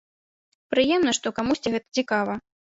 Прыемна, што камусьці гэта цікава.